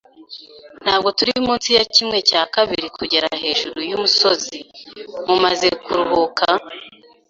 Ntabwo turi munsi ya kimwe cya kabiri kugera hejuru yumusozi. Mumaze kuruha?